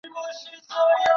乾隆三年十一月初五日。